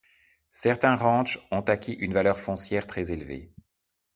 Certains ranchs ont acquis une valeur foncière très élevée.